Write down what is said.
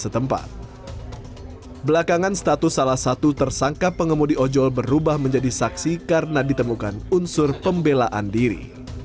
belakangan status salah satu tersangka pengemudi ojol berubah menjadi saksi karena ditemukan unsur pembelaan diri